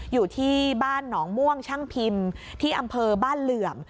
อยู่ที่บ้านหนองม่วงช่างพิมพ์ที่อำเภอบ้านเหลื่อม